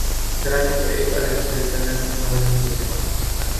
کراچی تو ایک الگ سلطنت بن چکی تھی۔